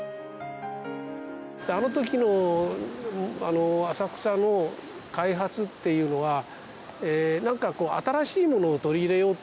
あの時の浅草の開発っていうのは何かこう新しいものを取り入れようって。